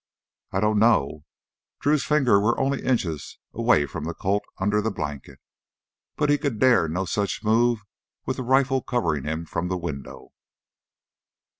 "I don't know." Drew's fingers were only inches away from the Colt under the blanket. But he could dare no such move with that rifle covering him from the window.